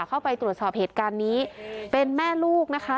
เข้าไปตรวจสอบเหตุการณ์นี้เป็นแม่ลูกนะคะ